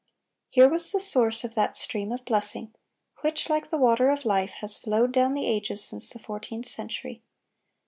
Here was the source of that stream of blessing, which, like the water of life, has flowed down the ages since the fourteenth century.